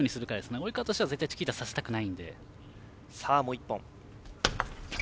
及川としては絶対、チキータさせたくないので。